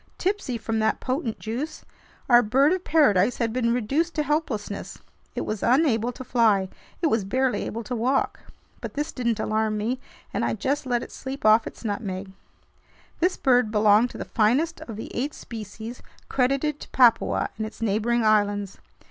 Tipsy from that potent juice, our bird of paradise had been reduced to helplessness. It was unable to fly. It was barely able to walk. But this didn't alarm me, and I just let it sleep off its nutmeg. This bird belonged to the finest of the eight species credited to Papua and its neighboring islands.